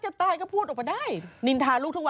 จริงหรอ